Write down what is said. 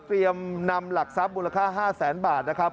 เตรียมนำหลักทรัพย์มูลค่า๕๐๐๐๐๐บาทนะครับ